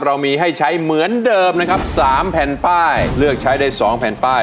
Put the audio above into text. เรามีให้ใช้เหมือนเดิมนะครับสามแผ่นป้ายเลือกใช้ได้๒แผ่นป้าย